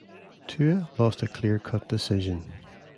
Tua lost a clear-cut decision.